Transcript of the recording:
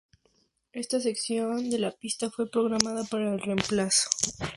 Esa sección de la pista fue programada para el reemplazo.